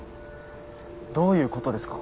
どういうことですか？